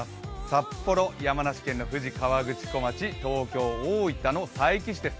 札幌、山梨県の富士河口湖町、東京、大分の佐伯市です